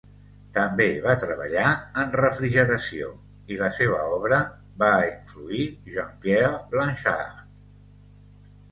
També va treballar en refrigeració, i la seva obra va influir Jean-Pierre Blanchard.